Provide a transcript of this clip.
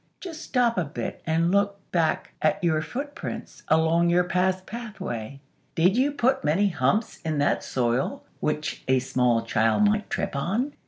Just stop a bit and look back at your footprints along your past pathway. Did you put many humps in that soil which a small child might trip on?